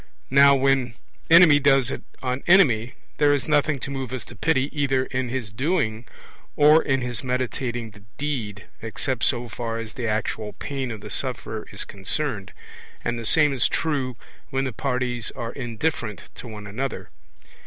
Now when enemy does it on enemy, there is nothing to move us to pity either in his doing or in his meditating the deed, except so far as the actual pain of the sufferer is concerned; and the same is true when the parties are indifferent to one another.